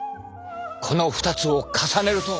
この２つを重ねると。